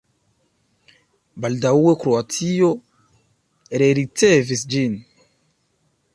Baldaŭe Kroatio rericevis ĝin.